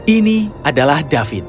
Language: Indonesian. ini adalah david